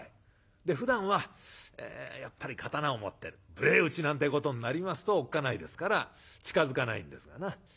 ふだんはやっぱり刀を持って無礼打ちなんてことになりますとおっかないですから近づかないんですがな。